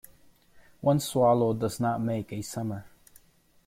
One swallow does not make a summer.